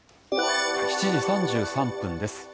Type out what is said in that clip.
７時３３分です。